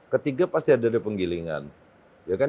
ketiga pasti ada dari penggilingan